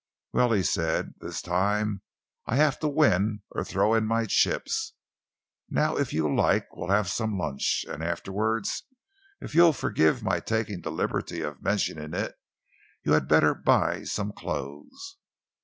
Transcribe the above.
"Well," he said, "this time I have to win or throw in my chips. Now if you like we'll have some lunch, and afterwards, if you'll forgive my taking the liberty of mentioning it, you had better buy some clothes."